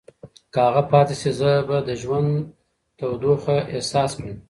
که هغه پاتې شي، زه به د ژوند تودوخه احساس کړم.